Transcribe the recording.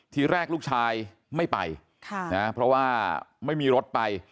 ทีแรกลูกชายไม่ไปเพราะว่าไม่มีรถไป